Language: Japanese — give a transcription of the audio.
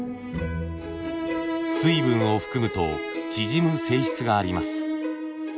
水分を含むと縮む性質があります。